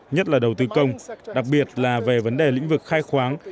nhất là đầu tư công đặc biệt là về vấn đề lĩnh vực khai khoáng